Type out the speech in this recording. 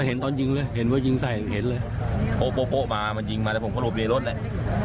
อะเห็นตอนยิงเลยเห็นว่ายิงไซต์เห็นเลยโปะโปะโปะมามายิงมาแต่ผมโคลกอยู่ในรถแหละ